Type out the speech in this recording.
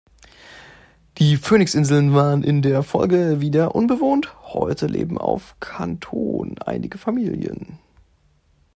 Die Phoenixinseln waren in der Folge wieder unbewohnt, heute leben auf Kanton einige Familien.